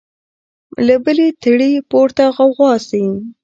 له بلي تړي پورته غوغا سي